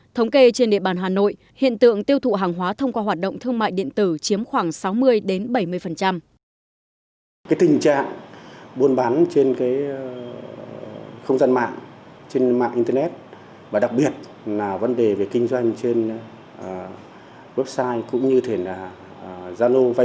thống kê trên địa bàn hà nội hiện tượng tiêu thụ hàng hóa thông qua hoạt động thương mại điện tử chiếm khoảng sáu mươi bảy mươi